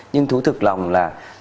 nhưng thú thực lòng là